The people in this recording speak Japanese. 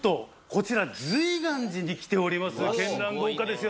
こちら瑞巌寺に来ております